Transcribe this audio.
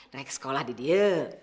naik sekolah di die